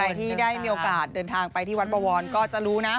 ใครที่ได้มีโอกาสเดินทางไปที่วัดบวรก็จะรู้นะ